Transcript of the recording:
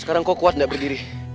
sekarang kau kuat tidak berdiri